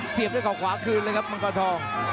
เสียบด้วยเขาขวาคืนเลยครับมังกรทอง